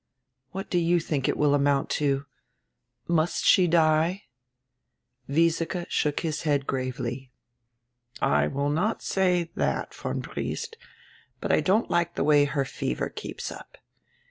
What do you diink it will amount to? Must she die?" Wiesike shook his head gravely, "I will not say diat, von Briest, but I don't like die way her fever keeps up.